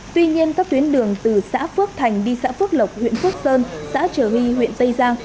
tuy nhiên các tuyến đường từ xã phước thành đi xã phước lộc huyện phước sơn xã trà huy huyện tây giang